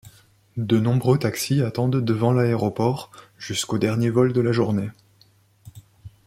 De nombreux taxis attendent devant l'aéroport, jusqu'au dernier vol de la journée.